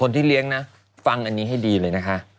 ที่เลี้ยงนะฟังอันนี้ให้ดีเลยนะคะ